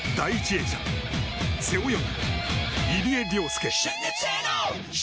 泳者背泳ぎ、入江陵介。